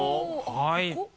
はい。